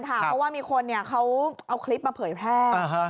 เพราะว่ามีคนเขาเอาคลิปมาเผยแพร่